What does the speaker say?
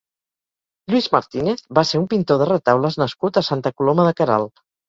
Lluís Martínez va ser un pintor de retaules nascut a Santa Coloma de Queralt.